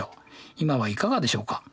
今はいかがでしょうか？